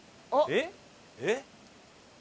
えっ！？